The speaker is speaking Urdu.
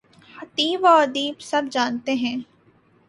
خطیب و ادیب سب جانتے ہیں۔